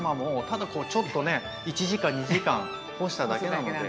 ただこうちょっとね１時間２時間干しただけなので。